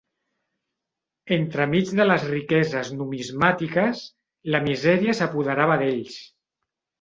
Entremig de les riqueses numismàtiques, la misèria s'apoderava d'ells